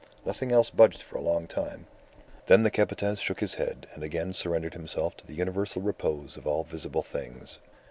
Nothing else budged for a long time; then the Capataz shook his head and again surrendered himself to the universal repose of all visible things.